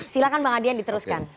silahkan bang adian diteruskan